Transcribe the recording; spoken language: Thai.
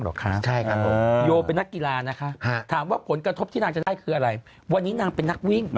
หรอกคะได้ในนักกีฬานะค่ะถามว่าผลกระทบที่ได้คืออะไรวันนี้นักวิ่ง